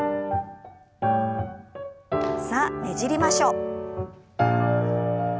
さあねじりましょう。